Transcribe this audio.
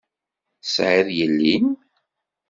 Tesεiḍ yelli-m?